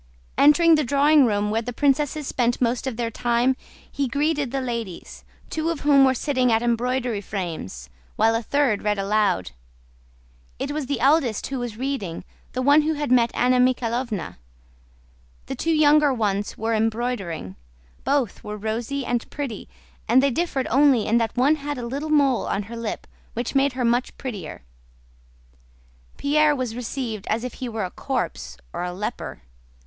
Entering the drawing room, where the princesses spent most of their time, he greeted the ladies, two of whom were sitting at embroidery frames while a third read aloud. It was the eldest who was reading—the one who had met Anna Mikháylovna. The two younger ones were embroidering: both were rosy and pretty and they differed only in that one had a little mole on her lip which made her much prettier. Pierre was received as if he were a corpse or a leper.